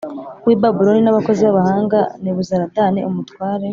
w i Babuloni n abakozi b abahanga Nebuzaradani umutware